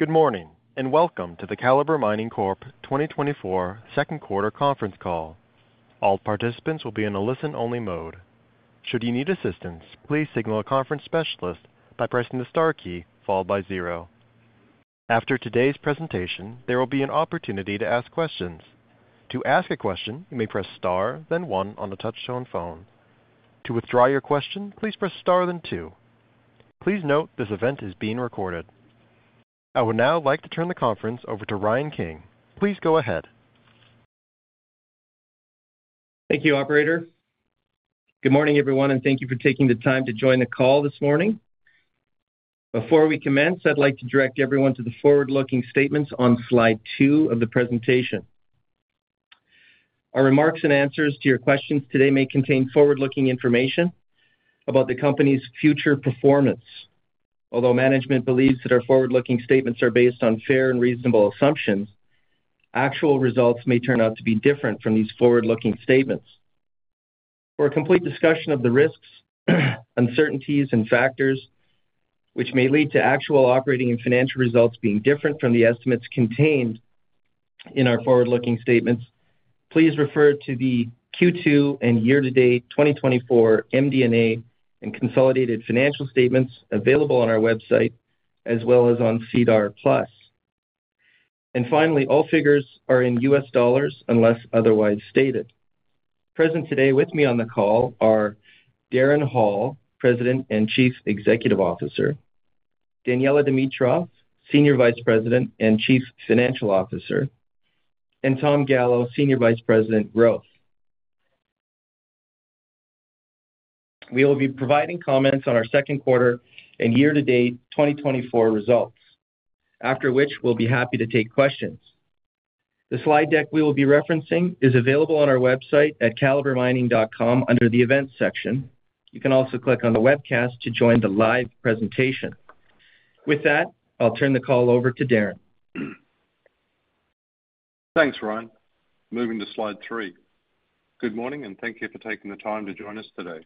Good morning, and welcome to the Calibre Mining Corp. 2024 second quarter conference call. All participants will be in a listen-only mode. Should you need assistance, please signal a conference specialist by pressing the star key followed by zero. After today's presentation, there will be an opportunity to ask questions. To ask a question, you may press star, then one on the touchtone phone. To withdraw your question, please press star, then two. Please note, this event is being recorded. I would now like to turn the conference over to Ryan King. Please go ahead. Thank you, operator. Good morning, everyone, and thank you for taking the time to join the call this morning. Before we commence, I'd like to direct everyone to the forward-looking statements on slide two of the presentation. Our remarks and answers to your questions today may contain forward-looking information about the company's future performance. Although management believes that our forward-looking statements are based on fair and reasonable assumptions, actual results may turn out to be different from these forward-looking statements. For a complete discussion of the risks, uncertainties, and factors which may lead to actual operating and financial results being different from the estimates contained in our forward-looking statements, please refer to the Q2 and year-to-date 2024 MD&A and consolidated financial statements available on our website, as well as on SEDAR+. And finally, all figures are in US dollars, unless otherwise stated. Present today with me on the call are Darren Hall, President and Chief Executive Officer, Daniela Dimitrov, Senior Vice President and Chief Financial Officer, and Tom Gallo, Senior Vice President, Growth. We will be providing comments on our second quarter and year-to-date 2024 results, after which we'll be happy to take questions. The slide deck we will be referencing is available on our website at calibremining.com under the Events section. You can also click on the webcast to join the live presentation. With that, I'll turn the call over to Darren. Thanks, Ryan. Moving to slide three. Good morning, and thank you for taking the time to join us today.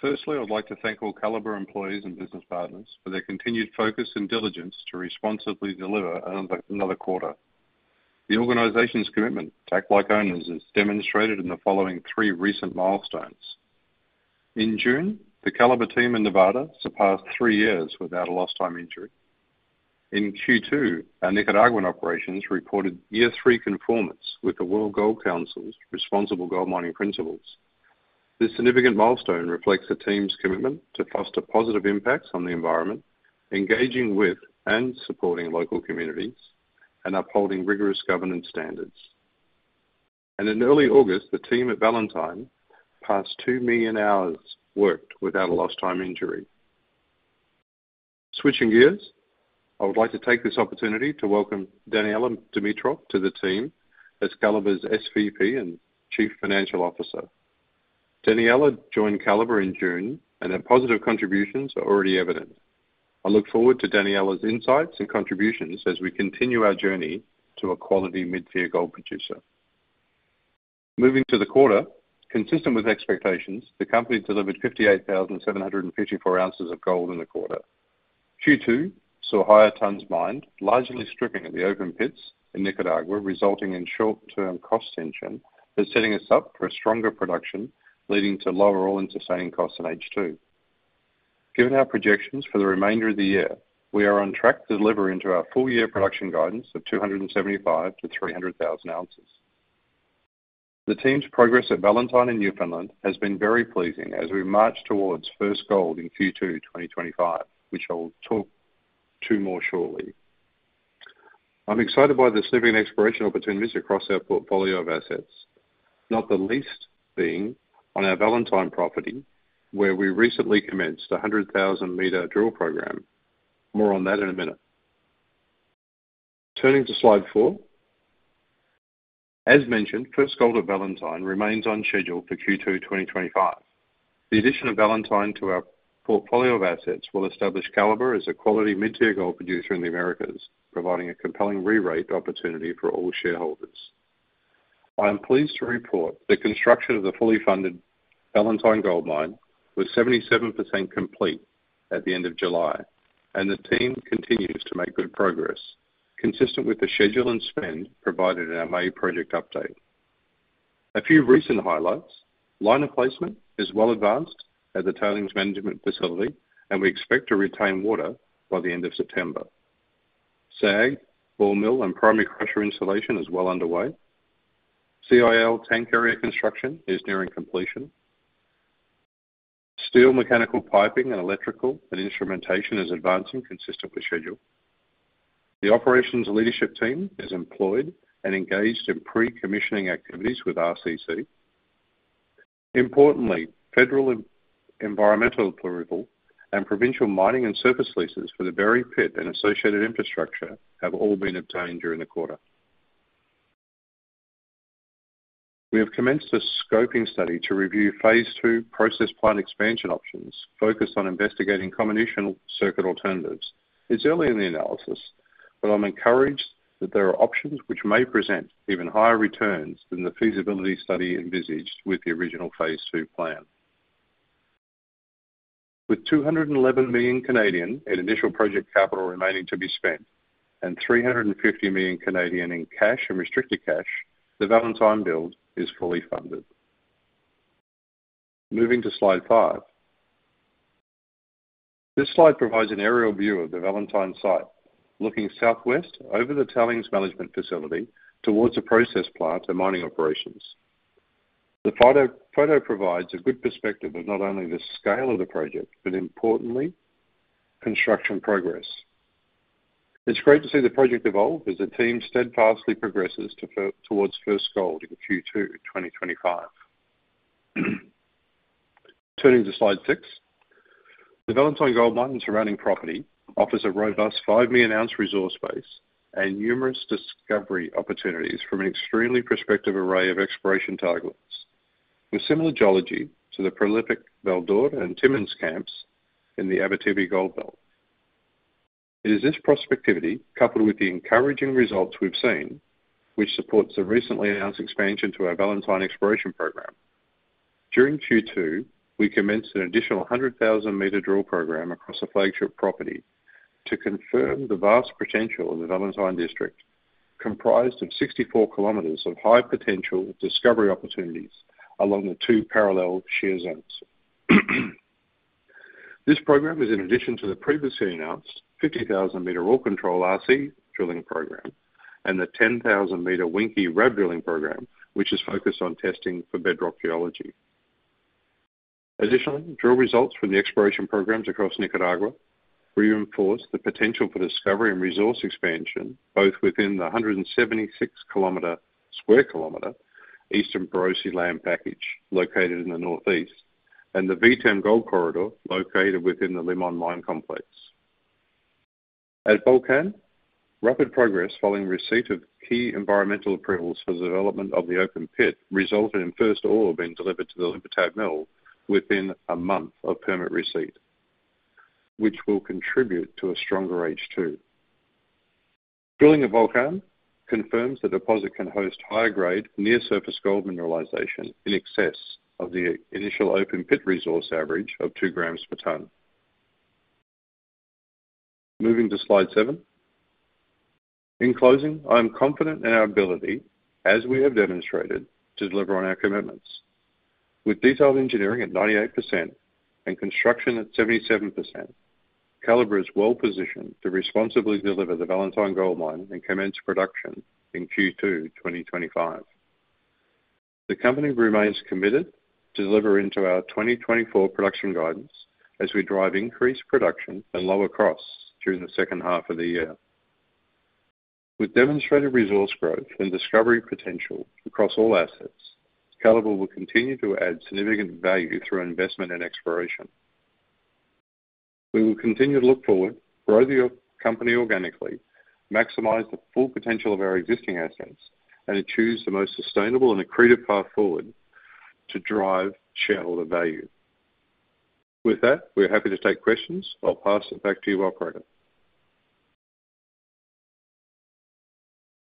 Firstly, I would like to thank all Calibre employees and business partners for their continued focus and diligence to responsibly deliver another quarter. The organization's commitment to act like owners is demonstrated in the following three recent milestones. In June, the Calibre team in Nevada surpassed three years without a lost time injury. In Q2, our Nicaraguan operations reported year three conformance with the World Gold Council's Responsible Gold Mining Principles. This significant milestone reflects the team's commitment to foster positive impacts on the environment, engaging with and supporting local communities, and upholding rigorous governance standards. In early August, the team at Valentine passed two million hours worked without a lost time injury. Switching gears, I would like to take this opportunity to welcome Daniela Dimitrov to the team as Calibre's SVP and Chief Financial Officer. Daniela joined Calibre in June, and her positive contributions are already evident. I look forward to Daniela's insights and contributions as we continue our journey to a quality mid-tier gold producer. Moving to the quarter, consistent with expectations, the company delivered 58,754 ounces of gold in the quarter. Q2 saw higher tons mined, largely stripping of the open pits in Nicaragua, resulting in short-term cost tension, but setting us up for a stronger production, leading to lower all-in sustaining costs in H2. Given our projections for the remainder of the year, we are on track to deliver into our full-year production guidance of 275,000-300,000 ounces. The team's progress at Valentine in Newfoundland has been very pleasing as we march towards first gold in Q2 2025, which I will talk to more shortly. I'm excited by the significant exploration opportunities across our portfolio of assets, not the least being on our Valentine property, where we recently commenced a 100,000-meter drill program. More on that in a minute. Turning to slide four. As mentioned, first gold of Valentine remains on schedule for Q2 2025. The addition of Valentine to our portfolio of assets will establish Calibre as a quality mid-tier gold producer in the Americas, providing a compelling rerate opportunity for all shareholders. I am pleased to report the construction of the fully funded Valentine Gold Mine was 77% complete at the end of July, and the team continues to make good progress, consistent with the schedule and spend provided in our May project update. A few recent highlights: liner placement is well advanced at the tailings management facility, and we expect to retain water by the end of September. SAG, ball mill, and primary crusher installation is well underway. CIL tank area construction is nearing completion. Steel, mechanical, piping, and electrical, and instrumentation is advancing consistent with schedule. The operations leadership team is employed and engaged in pre-commissioning activities with RCC. Importantly, federal environmental approval and provincial mining and surface leases for the Berry Pit and associated infrastructure have all been obtained during the quarter. We have commenced a scoping study to review phase two process plant expansion options focused on investigating comminution circuit alternatives. It's early in the analysis, but I'm encouraged that there are options which may present even higher returns than the feasibility study envisaged with the original phase two plan. With 211 million in initial project capital remaining to be spent and 350 million in cash and restricted cash, the Valentine build is fully funded. Moving to slide five. This slide provides an aerial view of the Valentine site, looking southwest over the tailings management facility towards the process plant and mining operations. The photo provides a good perspective of not only the scale of the project, but importantly, construction progress. It's great to see the project evolve as the team steadfastly progresses to first gold in Q2 2025. Turning to slide six. The Valentine Gold Mine and surrounding property offers a robust 5 million ounce resource base and numerous discovery opportunities from an extremely prospective array of exploration targets, with similar geology to the prolific Val-d'Or and Timmins camps in the Abitibi Gold Belt. It is this prospectivity, coupled with the encouraging results we've seen, which supports the recently announced expansion to our Valentine exploration program. During Q2, we commenced an additional 100,000-meter drill program across the flagship property to confirm the vast potential of the Valentine district, comprised of 64 kilometers of high potential discovery opportunities along the two parallel shear zones. This program is in addition to the previously announced 50,000-meter ore control RC drilling program and the 10,000-meter Winkie drill drilling program, which is focused on testing for bedrock geology. Additionally, drill results from the exploration programs across Nicaragua reinforce the potential for discovery and resource expansion, both within the 176 square kilometer Eastern Borosi land package, located in the northeast, and the VTEM Gold Corridor, located within the Limon Mine Complex. At Volcan, rapid progress following receipt of key environmental approvals for the development of the open pit resulted in first ore being delivered to the La Libertad mill within a month of permit receipt, which will contribute to a stronger H2. Drilling of Volcan confirms the deposit can host higher grade, near surface gold mineralization in excess of the initial open pit resource average of 2 grams per ton. Moving to slide seven. In closing, I am confident in our ability, as we have demonstrated, to deliver on our commitments. With detailed engineering at 98% and construction at 77%, Calibre is well positioned to responsibly deliver the Valentine Gold Mine and commence production in Q2 2025. The company remains committed to delivering to our 2024 production guidance as we drive increased production and lower costs during the second half of the year. With demonstrated resource growth and discovery potential across all assets, Calibre will continue to add significant value through investment and exploration. We will continue to look forward, grow the company organically, maximize the full potential of our existing assets, and choose the most sustainable and accretive path forward to drive shareholder value. With that, we're happy to take questions. I'll pass it back to you, operator.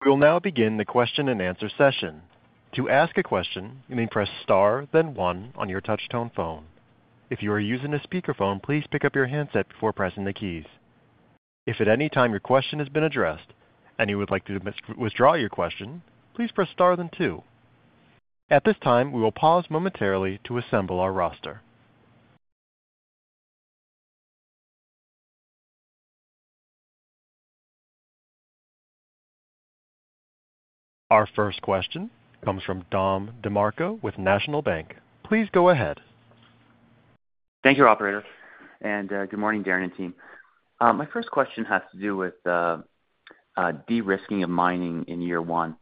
We will now begin the question-and-answer session. To ask a question, you may press star, then one on your touch tone phone. If you are using a speakerphone, please pick up your handset before pressing the keys. If at any time your question has been addressed and you would like to withdraw your question, please press star then two. At this time, we will pause momentarily to assemble our roster. Our first question comes from Don DeMarco with National Bank. Please go ahead. Thank you, operator, and good morning, Darren and team. My first question has to do with de-risking of mining in year one.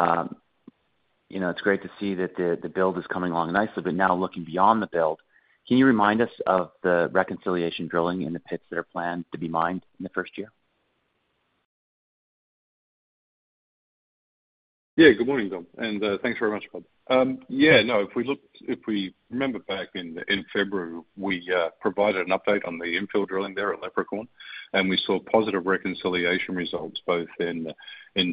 You know, it's great to see that the build is coming along nicely, but now looking beyond the build, can you remind us of the reconciliation drilling in the pits that are planned to be mined in the first year? Yeah, good morning, Don, and thanks very much for that. Yeah, no, if we look, if we remember back in February, we provided an update on the infill drilling there at Leprechaun, and we saw positive reconciliation results, both in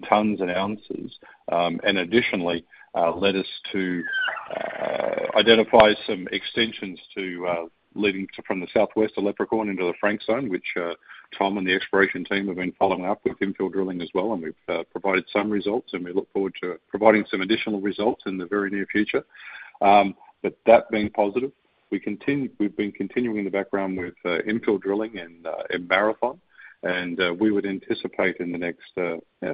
tons and ounces. And additionally, led us to identify some extensions to leading to from the southwest of Leprechaun into the Frank Zone, which Tom and the exploration team have been following up with infill drilling as well, and we've provided some results, and we look forward to providing some additional results in the very near future. But that being positive, we've been continuing the background with infill drilling and in Marathon, and we would anticipate in the next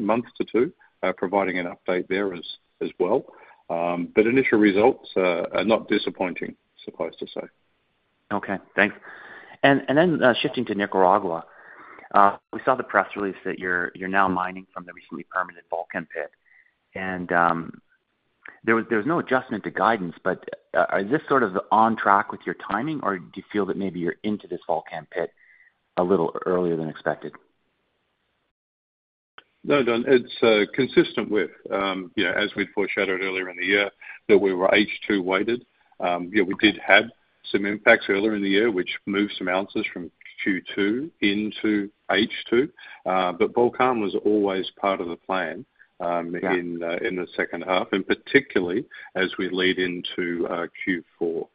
month to 2 providing an update there as well. But initial results are not disappointing, so close to say. Okay, thanks. And then, shifting to Nicaragua. We saw the press release that you're now mining from the recently permitted Volcan pit. And, there was no adjustment to guidance, but, are this sort of on track with your timing, or do you feel that maybe you're into this Volcan pit a little earlier than expected? No, Don, it's consistent with, you know, as we'd foreshadowed earlier in the year, that we were H2 weighted. Yeah, we did have some impacts earlier in the year, which moved some ounces from Q2 into H2. But Volcan was always part of the plan, Yeah In the second half, and particularly as we lead into Q4.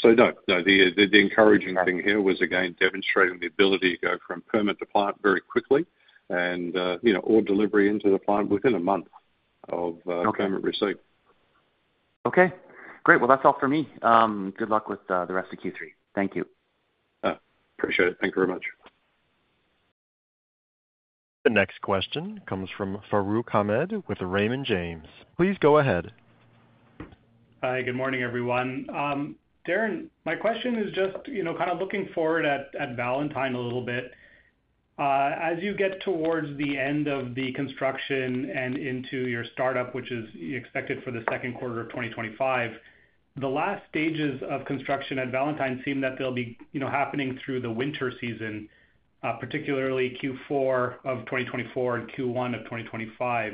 So no, the encouraging thing here was, again, demonstrating the ability to go from permit to plant very quickly and, you know, ore delivery into the plant within a month of-. Okay. -permit receipt. Okay, great. Well, that's all for me. Good luck with the rest of Q3. Thank you. Appreciate it. Thank you very much. The next question comes from Farooq Hamed with Raymond James. Please go ahead. Hi, good morning, everyone. Darren, my question is just, you know, kind of looking forward at Valentine a little bit. As you get towards the end of the construction and into your startup, which is expected for the second quarter of 2025, the last stages of construction at Valentine seem that they'll be, you know, happening through the winter season, particularly Q4 of 2024 and Q1 of 2025.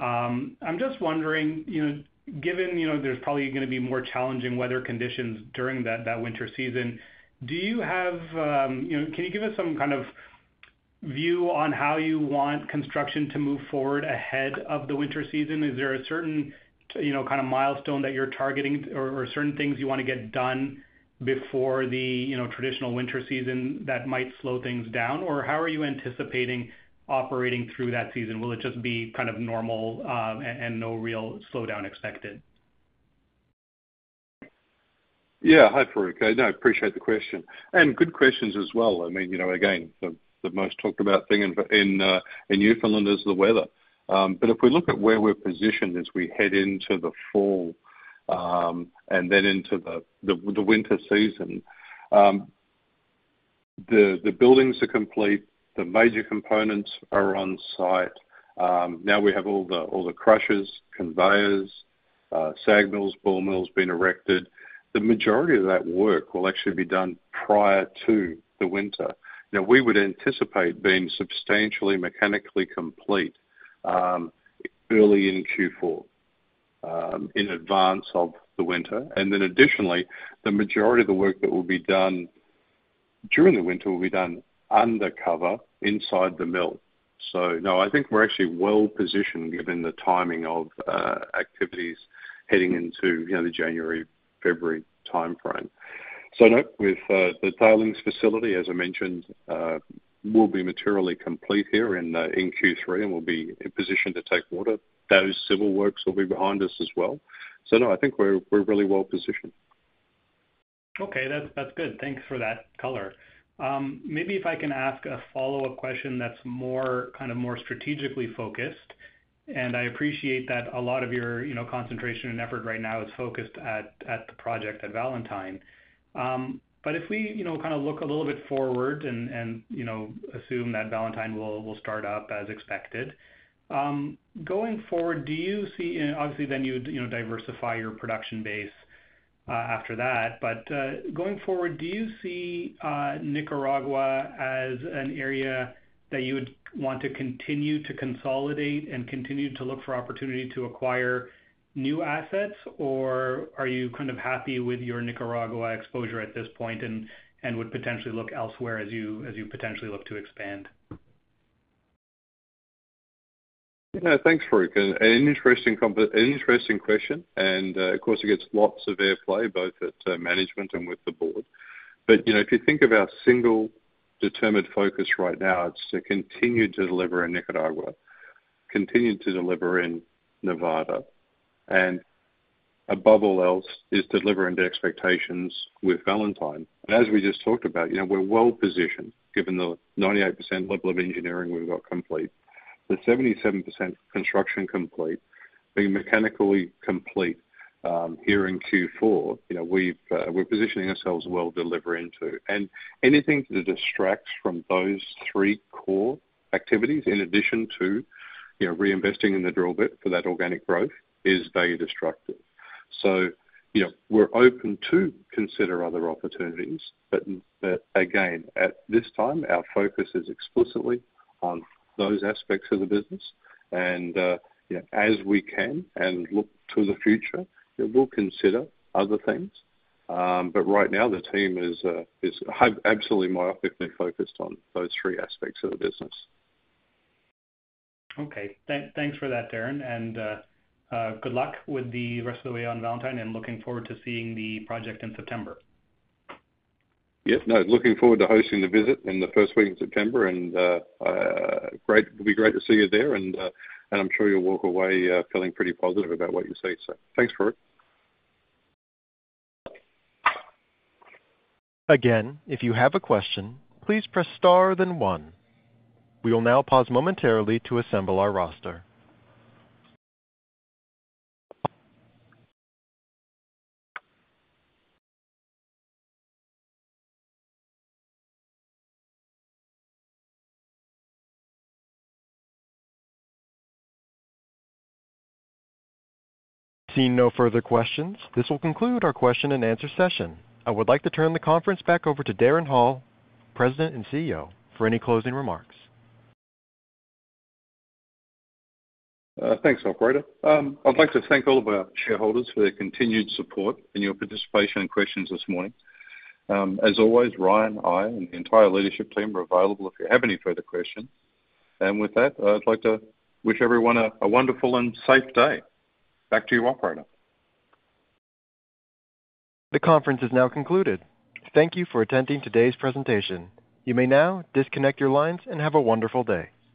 I'm just wondering, you know, given, you know, there's probably gonna be more challenging weather conditions during that winter season, do you have. You know, can you give us some kind of view on how you want construction to move forward ahead of the winter season? Is there a certain, you know, kind of milestone that you're targeting or certain things you wanna get done before the, you know, traditional winter season that might slow things down? Or how are you anticipating operating through that season? Will it just be kind of normal, and no real slowdown expected? Yeah. Hi, Farooq. I appreciate the question, and good questions as well. I mean, you know, again, the most talked about thing in Newfoundland is the weather. But if we look at where we're positioned as we head into the fall, and then into the winter season, the buildings are complete, the major components are on site. Now we have all the crushers, conveyors, SAG mills, ball mills being erected. The majority of that work will actually be done prior to the winter. Now, we would anticipate being substantially mechanically complete, early in Q4, in advance of the winter. And then additionally, the majority of the work that will be done during the winter will be done undercover inside the mill. So no, I think we're actually well positioned, given the timing of activities heading into, you know, the January-February timeframe. So no, with the tailings facility, as I mentioned, will be materially complete here in Q3 and will be in position to take water. Those civil works will be behind us as well. So no, I think we're really well positioned. Okay. That's good. Thanks for that color. Maybe if I can ask a follow-up question that's more, kind of, strategically focused, and I appreciate that a lot of your, you know, concentration and effort right now is focused at the project at Valentine. But if we, you know, kind of look a little bit forward and, you know, assume that Valentine will start up as expected, going forward, do you see. And obviously then you'd, you know, diversify your production base after that. But going forward, do you see Nicaragua as an area that you would want to continue to consolidate and continue to look for opportunity to acquire new assets? Or are you kind of happy with your Nicaragua exposure at this point and would potentially look elsewhere as you potentially look to expand? Yeah. Thanks, Farooq, and an interesting question, and, of course, it gets lots of air play, both at management and with the board. But, you know, if you think of our single determined focus right now, it's to continue to deliver in Nicaragua, continue to deliver in Nevada, and above all else, is delivering the expectations with Valentine. And as we just talked about, you know, we're well positioned, given the 98% level of engineering we've got complete, the 77% construction complete, being mechanically complete here in Q4, you know, we're positioning ourselves well deliver into. And anything that distracts from those three core activities, in addition to, you know, reinvesting in the drill bit for that organic growth, is value destructive. So, you know, we're open to consider other opportunities, but again, at this time, our focus is explicitly on those aspects of the business. You know, as we can and look to the future, we'll consider other things. But right now, the team is absolutely myopically focused on those three aspects of the business. Okay. Thanks for that, Darren, and good luck with the rest of the way on Valentine, and looking forward to seeing the project in September. Yes. No, looking forward to hosting the visit in the first week of September, and, it'll be great to see you there, and, and I'm sure you'll walk away, feeling pretty positive about what you see. So thanks, Farooq. Again, if you have a question, please press star then one. We will now pause momentarily to assemble our roster. Seeing no further questions, this will conclude our question and answer session. I would like to turn the conference back over to Darren Hall, President and CEO, for any closing remarks. Thanks, operator. I'd like to thank all of our shareholders for their continued support and your participation and questions this morning. As always, Ryan, I, and the entire leadership team are available if you have any further questions. And with that, I'd like to wish everyone a wonderful and safe day. Back to you, operator. The conference is now concluded. Thank you for attending today's presentation. You may now disconnect your lines and have a wonderful day.